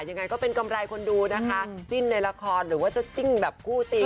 ยังไงก็เป็นกำไรคนดูนะคะจิ้นในละครหรือว่าจะจิ้นแบบคู่จริง